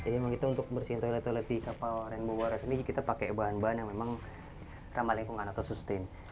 jadi untuk membersihkan toilet di kapal rainbow warrior ini kita pakai bahan bahan yang memang ramah lingkungan atau sustain